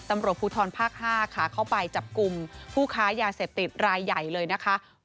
ตำรวจภูทรภาค๕ค่ะเข้าไปจับกลุ่มผู้ค้ายาเสพติดรายใหญ่เลยนะคะ